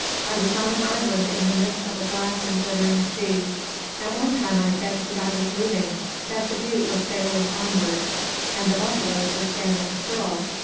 I was on an island in the midst of a black and glittering sea. At one time I fancied I was moving, that the butte was sailing onward, and the buffaloes were standing still.